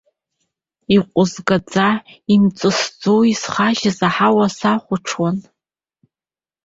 Иҟәызгаӡа, имҵысӡо исхажьыз аҳауа сахәаҽуан.